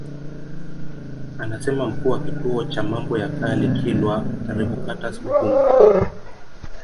Anasema Mkuu wa Kituo cha Mambo ya Kale Kilwa Revocatus Bugumba